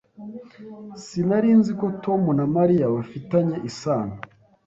Sinari nzi ko Tom na Mariya bafitanye isano.